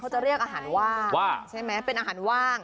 จะเรียกอาหารว่างว่างใช่ไหมเป็นอาหารว่าง